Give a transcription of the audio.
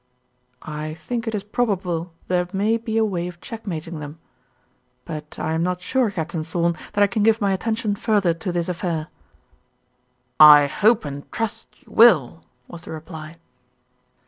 "I think it is probable there may be a way of checkmating them. But I am not sure, Captain Thorn, that I can give my attention further to this affair." "I hope and trust you will," was the reply.